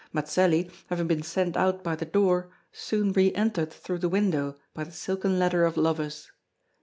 Mazelli, having been sent out by the door, soon re entered through the window by the silken ladder of lovers.